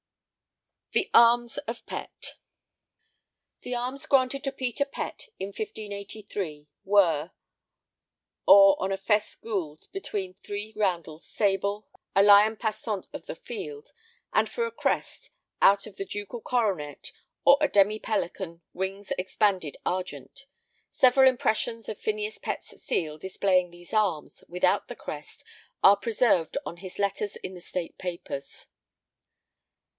X The Arms of Pett The arms granted to Peter Pett in 1583 were: Or, on a fesse gules between three roundels sable, a lion passant of the field. [Illustration: (coat of arms)] And for a crest: Out of a ducal coronet, or, a demi pelican wings expanded argent. Several impressions of Phineas Pett's seal displaying these arms, without the crest, are preserved on his letters in the State Papers.